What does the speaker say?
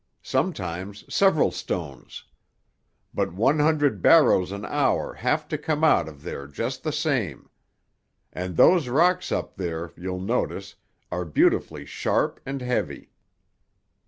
Sometimes several stones. But one hundred barrows an hour have to come out of there just the same. And those rocks up there, you'll notice, are beautifully sharp and heavy."